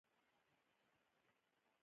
او د يوې بدنامې استخباراتي لوبې پر ډګر.